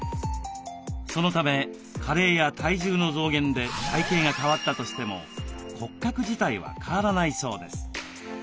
そのため加齢や体重の増減で体型が変わったとしても骨格自体は変わらないそうです。